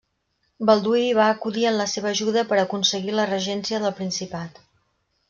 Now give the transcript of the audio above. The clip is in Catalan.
Balduí va acudir en la seva ajuda per aconseguir la regència del principat.